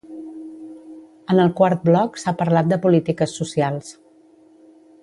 En el quart bloc s’ha parlat de polítiques socials.